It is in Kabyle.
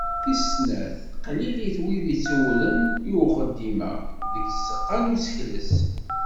Tis snat, qlilit wid itewlen i uxeddim-a deg tzeqqa n usekles.